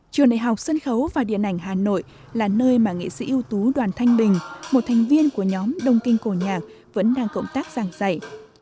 trường đại học sân khấu và điện ảnh hà nội là nơi mà nghệ sĩ ưu tú đoàn thanh bình một thành viên của nhóm đông kinh cổ nhạc vẫn đang cộng tác giảng dạy